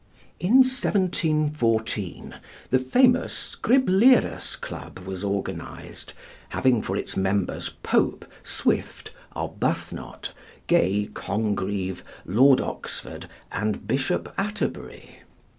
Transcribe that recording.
In 1714 the famous Scriblerus Club was organized, having for its members Pope, Swift, Arbuthnot, Gay, Congreve, Lord Oxford, and Bishop Atterbury.